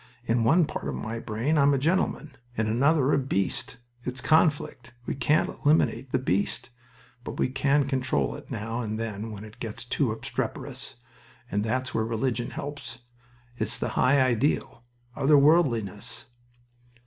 In one part of my brain I'm a gentleman. In another, a beast. It's conflict. We can't eliminate the beast, but we can control it now and then when it gets too obstreperous, and that's where religion helps. It's the high ideal otherworldliness."